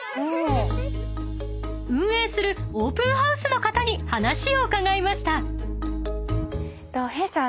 ［運営するオープンハウスの方に話を伺いました］